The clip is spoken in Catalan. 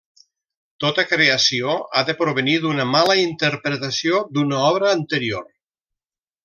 Tota creació ha de provenir d'una mala interpretació d'una obra anterior.